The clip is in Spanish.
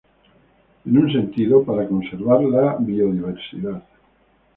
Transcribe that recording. En un sentido, para conservar la biodiversidad.